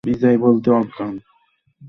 গায়ের রং কালো হলেও আমার কিচ্ছু যায় আসে না।